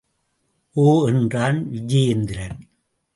ஒ! என்றான் விஜயேந்திரன்.